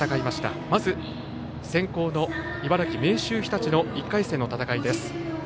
まず、先攻の茨城、明秀日立の１回戦の戦いです。